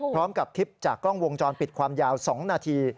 พร้อมกับคลิปจากกล้องวงจรปิดความยาว๒นาที